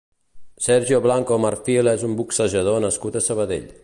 Sergio Blanco Marfil és un boxejador nascut a Sabadell.